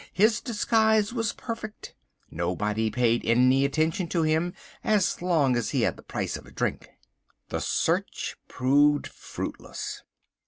His disguise was perfect. Nobody paid any attention to him as long as he had the price of a drink. The search proved fruitless.